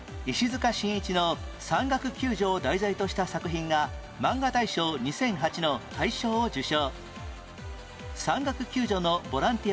石塚真一の山岳救助を題材とした作品がマンガ大賞２００８の大賞を受賞